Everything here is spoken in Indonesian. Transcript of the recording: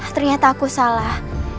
ternyata aku salah